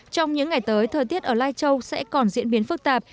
trong những ngày tới thời tiết ở lai châu sẽ còn diễn biến phức tạp